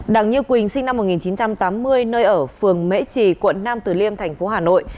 đảng như quỳnh sinh năm một nghìn chín trăm tám mươi nơi ở phường mễ trì quận nam từ liêm thành phố hà nội